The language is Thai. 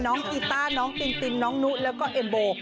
น้องอีตาร์น้องตินน้องนุแล้วก็เอ็มโบ